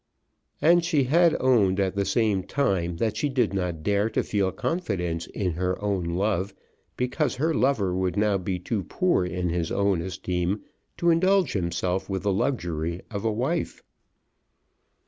And she had owned at the same time that she did not dare to feel confidence in her own love, because her lover would now be too poor in his own esteem to indulge himself with the luxury of a wife.